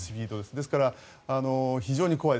ですから、非常に怖い。